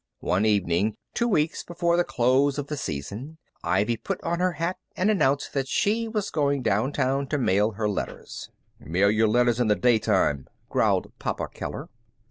One evening, two weeks before the close of the season, Ivy put on her hat and announced that she was going downtown to mail her letters. "Mail your letters in the daytime," growled Papa Keller.